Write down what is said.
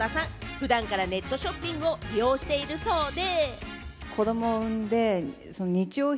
普段からネットショッピングを利用しているそうで。